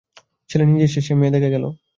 ছেলে নিজে সে মেয়ে দেখে গেল।